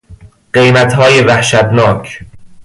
قیمتهای وحشتناک